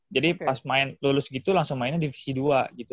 jadi pas main lulus gitu langsung mainnya divisi dua gitu